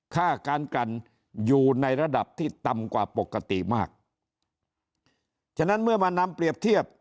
ค่าการกันอยู่ในระดับที่ต่ำกว่าปกติมากฉะนั้นเมื่อมานำเปรียบเทียบ